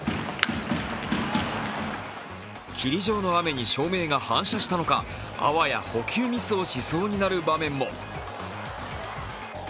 霧状の雨に照明が反射したのかあわや捕球ミスをしそうになる場面も。